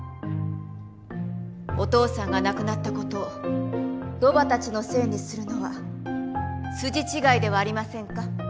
お父さんが亡くなった事をロバたちのせいにするのは筋違いではありませんか？